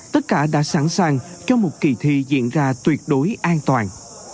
tất cả đã sẵn sàng cho một kỳ thi diễn ra tuyệt đối an toàn